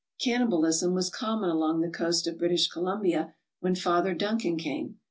Canni balism was common along the coast of British Columbia when Father Duncan came.